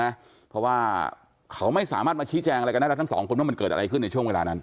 เพราะว่าเขาไม่สามารถมาชี้แจงอะไรกันได้แล้วทั้งสองคนว่ามันเกิดอะไรขึ้นในช่วงเวลานั้น